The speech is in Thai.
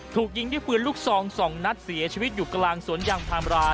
ถูกยิงได้ฟื้นลูกทรอง๒นักเสียชีวิตอยู่กลางสวนยังภามราม